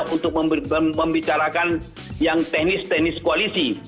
untuk membicarakan yang teknis teknis koalisi